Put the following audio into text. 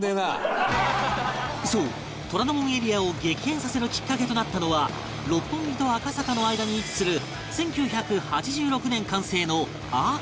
そう虎ノ門エリアを激変させるきっかけとなったのは六本木と赤坂の間に位置する１９８６年完成のアークヒルズ